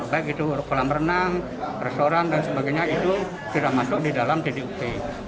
baik itu kolam renang restoran dan sebagainya itu tidak masuk di dalam t d u p